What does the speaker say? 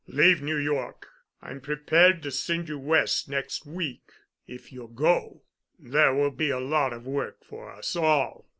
Leave New York. I'm prepared to send you West next week, if you'll go. There will be a lot of work for us all.